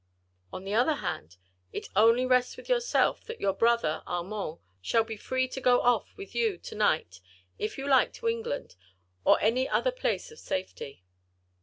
On the other hand it only rests with yourself that your brother—Armand—shall be free to go off with you to night if you like, to England, or any other place of safety."